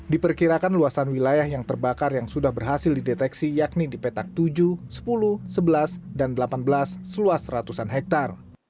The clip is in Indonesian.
diperkirakan luasan wilayah yang terbakar yang sudah berhasil dideteksi yakni di petak tujuh sepuluh sebelas dan delapan belas seluas ratusan hektare